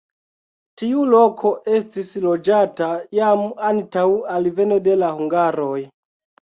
Tiu loko estis loĝata jam antaŭ alveno de la hungaroj.